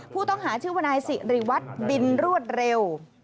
ผู้ต้องหาชื่อวนายสิริวัตรบินรวดเร็ว